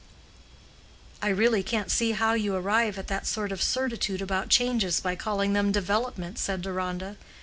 "I really can't see how you arrive at that sort of certitude about changes by calling them development," said Deronda.